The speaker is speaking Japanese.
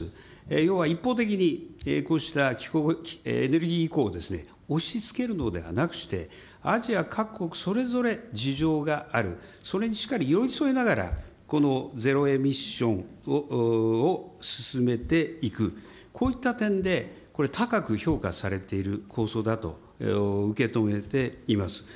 要は一方的にこうしたエネルギー移行を押しつけるのではなくして、アジア各国それぞれ事情がある、それにしっかり寄り添いながら、このゼロエミッションを進めていく、こういった点でこれ、高く評価されている構想だと受け止めています。